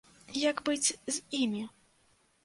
Як быць з імі?